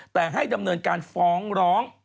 แต่ให้ดำเนินการฟ้องร้อง